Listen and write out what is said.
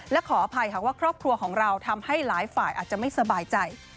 และขออภัยค่ะว่าครอบครัวของเราทำให้หลายฝ่ายอาจจะไม่สบายใจ